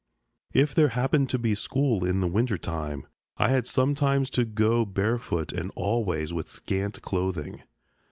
If there happened to be a school in the winter time, I had sometimes to go bare footed and always with scant clothing.